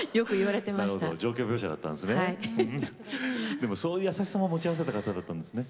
でもそういう優しさも持ち合わせた方だったんですね。